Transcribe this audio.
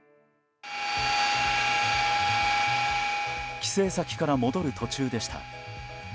帰省先から戻る途中でした。